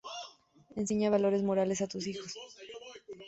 Enseña valores morales a tus hijos